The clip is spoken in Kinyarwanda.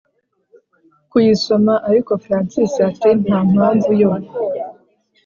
kuyisoma ariko francis ati”ntampamvu yo